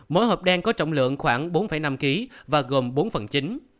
mỗi hộp đen có trọng lượng khoảng bốn năm kg và gồm bốn phần chính